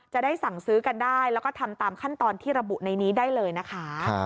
จะได้สั่งซื้อกันได้แล้วก็ทำตามขั้นตอนที่ระบุในนี้ได้เลยนะคะ